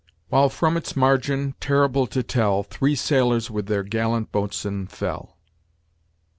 "While from its margin, terrible to tell, Three sailors with their gallant boatswain fell."